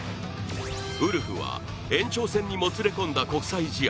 ウルフは延長戦にもつれ込んだ国際試合、